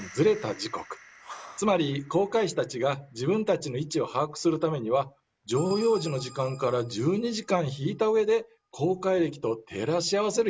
つまり航海士たちが自分たちの位置を把握するためには常用時の時間から１２時間引いたうえで航海暦と照らし合わせる必要があったんです。